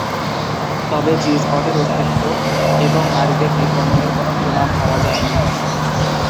তবে জি-স্পটের অস্তিত্ব এবং নারীদের নির্গমনের কোন প্রমাণ পাওয়া যায়নি।